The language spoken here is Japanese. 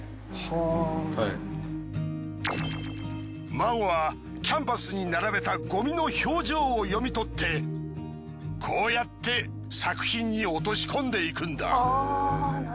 ＭＡＧＯはキャンパスに並べたゴミの表情を読み取ってこうやって作品に落とし込んでいくんだ。